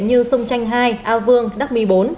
như sông chanh hai a vương đắc my bốn